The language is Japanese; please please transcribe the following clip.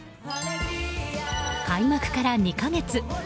開幕から２か月。